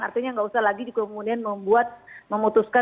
artinya nggak usah lagi kemudian membuat memutuskan